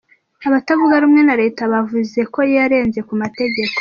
Abatavuga rumwe na reta bavuze ko yarenze ku mategeko.